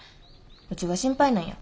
うちは心配なんや。